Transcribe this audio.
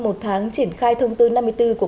một tháng triển khai thông tư năm mươi bốn của